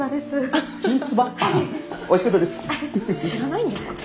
知らないんですか？